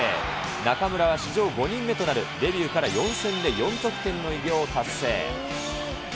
中村は史上５人目となるデビューから４戦で４得点の偉業を達成。